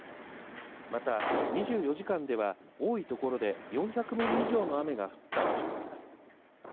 また２４時間では多いところで４００ミリ以上の雨が降った場所もあります。